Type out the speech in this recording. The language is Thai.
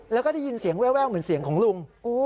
แล้วก็ได้ยินเสียงแววเหมือนเสียงของลุง